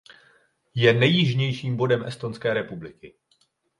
Je nejjižnějším bodem Estonské republiky.